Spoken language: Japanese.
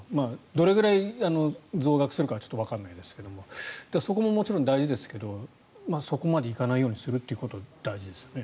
どれぐらい増額するかはちょっとわからないですがそこももちろん大事ですけどそこまでいかないようにすることが大事ですよね。